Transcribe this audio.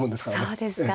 そうですか